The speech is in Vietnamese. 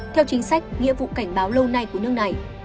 theo chính sách nghĩa vụ cảnh báo lâu nay của nước này